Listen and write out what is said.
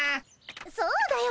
そうだよ